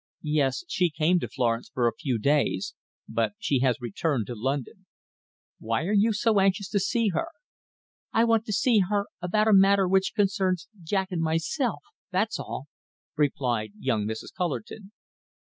"Yes. She came to Florence for a few days, but she has returned to London. Why are you so anxious to see her?" "I want to see her about a matter which concerns Jack and myself that's all," replied young Mrs. Cullerton.